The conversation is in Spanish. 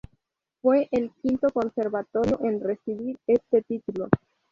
Fue el quinto conservatorio en recibir este título.